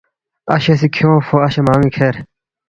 اشے سی کھیونگفو اشے مان٘ی کھیر